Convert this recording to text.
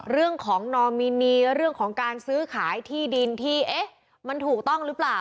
เรื่องของนอมินีเรื่องของการซื้อขายที่ดินที่เอ๊ะมันถูกต้องหรือเปล่า